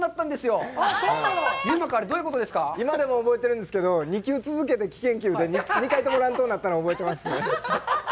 今でも覚えてるんですけど、２球続けて危険球で、２回とも乱闘になったの覚えてます。